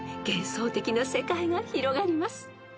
幻想的な世界が広がります］